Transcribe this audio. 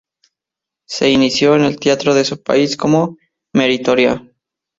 Se inició en el teatro de su país como meritoria.